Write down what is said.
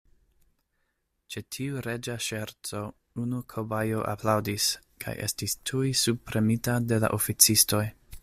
Ĉe tiu reĝa ŝerco, unu kobajo aplaŭdis, kaj estis tuj subpremita de la oficistoj.